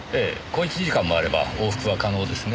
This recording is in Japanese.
小一時間もあれば往復は可能ですねえ。